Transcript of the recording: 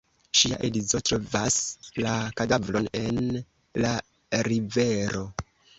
Ŝia edzo trovas la kadavron en la rivero.